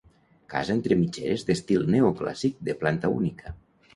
Casa entre mitgeres d'estil neoclàssic, de planta única.